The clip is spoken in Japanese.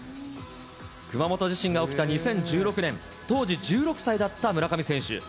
熊本地震が起きた２０１６年、当時１６歳だった村上選手。